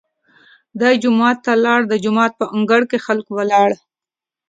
دی جومات ته لاړ، د جومات په انګړ کې خلک ولاړ.